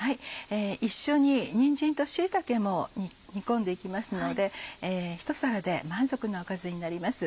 一緒ににんじんと椎茸も煮込んでいきますのでひと皿で満足なおかずになります。